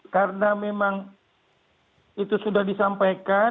karena memang itu sudah disampaikan